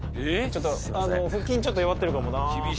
腹筋ちょっと弱ってるかもな。